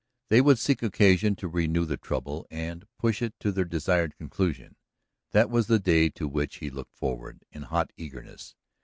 They would seek occasion to renew the trouble, and push it to their desired conclusion. That was the day to which he looked forward in hot eagerness.